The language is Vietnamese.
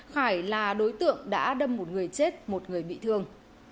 khải là đối tượng đã đâm một người chết một người bị thương